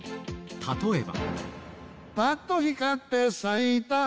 例えば。